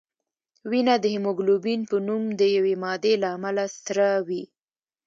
وینه د هیموګلوبین په نوم د یوې مادې له امله سره وي